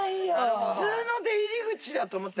普通の出入り口だと思った。